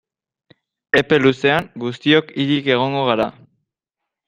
Epe luzean guztiok hilik egongo gara.